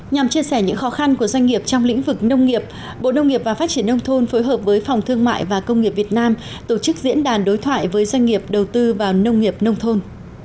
nhằm chia sẻ những khó khăn của doanh nghiệp trong lĩnh vực nông nghiệp bộ nông nghiệp và phát triển nông thôn phối hợp với phòng thương mại và công nghiệp việt nam tổ chức diễn đàn đối thoại với doanh nghiệp đầu tư vào nông nghiệp nông thôn